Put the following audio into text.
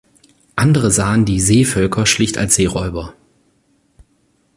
Andere sahen die „Seevölker“ schlicht als Seeräuber.